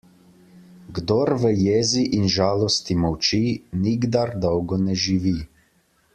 Kdor v jezi in žalosti molči, nikdar dolgo ne živi.